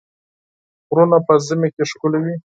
غرونه په ژمي کې ښکلي وي.